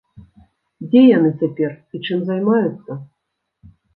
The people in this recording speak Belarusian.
Дзе яны цяпер і чым займаюцца?